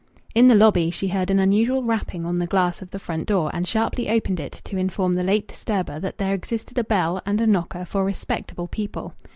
In the lobby she heard an unusual rapping on the glass of the front door, and sharply opened it to inform the late disturber that there existed a bell and a knocker for respectable people.